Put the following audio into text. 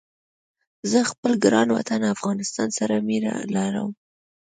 زه خپل ګران وطن افغانستان سره مينه ارم